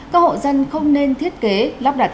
các hộ dân không nên thiết kế lắp đặt